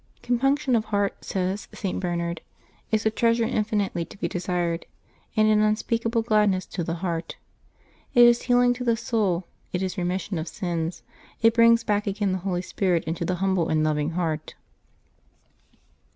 —" Compunction of heart," says St. Bernard, " is a treasure infinitely to be desired, and an unspeakable gladness to the heart. It is healing to the soul; it is re mission of sins ; it brings back again the Holy Spirit into the humble and loving heart."